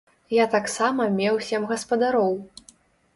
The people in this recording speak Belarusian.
Я таксама меў сем гаспадароў.